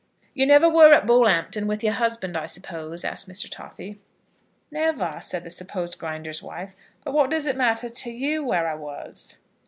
"You never were at Bullhampton with your husband, I suppose?" asked Mr. Toffy. "Never," said the supposed Grinder's wife; "but what does it matter to you where I was?"